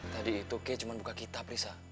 tadi itu kay cuma buka kitab risa